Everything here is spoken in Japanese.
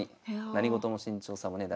何事も慎重さもね